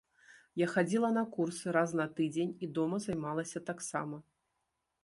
Я хадзіла на курсы раз на тыдзень і дома займалася таксама.